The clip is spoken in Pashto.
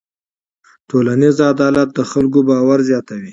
ټولنیز عدالت د خلکو باور زیاتوي.